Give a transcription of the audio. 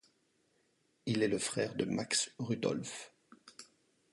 Il est le frère de Max Rudolf.